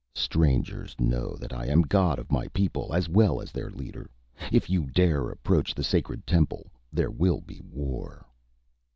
"Strangers, know that I am god of my people, as well as their leader. If you dare approach the sacred temple, there will be war."